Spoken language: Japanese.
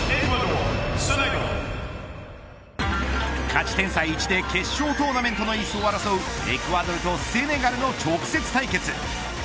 勝ち点差１で決勝トーナメントのいすを争うエクアドルとセネガルの直接対決。